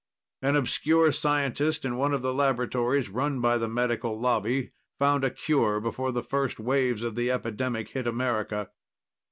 An obscure scientist in one of the laboratories run by the Medical Lobby found a cure before the first waves of the epidemic hit America.